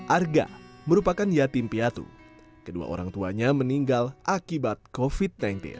arga merupakan yatim piatu kedua orang tuanya meninggal akibat covid sembilan belas